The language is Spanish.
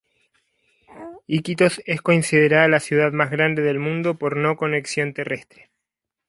Iquitos es considerada la ciudad más grande del mundo por no conexión terrestre.